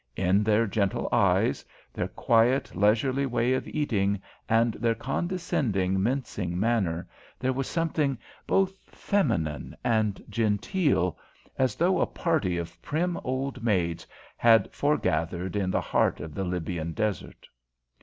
In their gentle eyes, their quiet, leisurely way of eating, and their condescending, mincing manner, there was something both feminine and genteel, as though a party of prim old maids had foregathered in the heart of the Libyan desert.